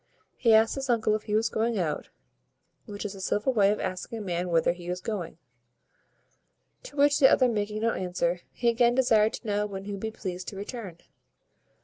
He asked his uncle if he was going out, which is a civil way of asking a man whither he is going: to which the other making no answer, he again desired to know when he would be pleased to return?